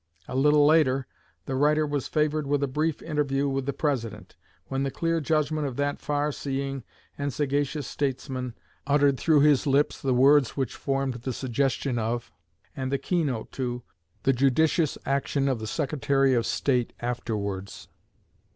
A little later, the writer was favored with a brief interview with the President, when the clear judgment of that far seeing and sagacious statesman uttered through his lips the words which formed the suggestion of, and the keynote to, the judicious action of the Secretary of State afterwards.